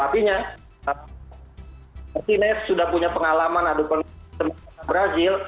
artinya martinez sudah punya pengalaman adu penalti di brazil